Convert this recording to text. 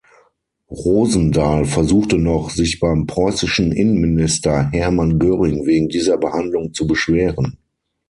Rosendahl versuchte noch, sich beim preußischen Innenminister Hermann Göring wegen dieser Behandlung zu beschweren.